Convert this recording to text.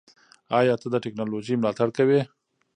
ایا ته د ټیکنالوژۍ ملاتړ کوې؟